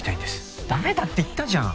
駄目だって言ったじゃん！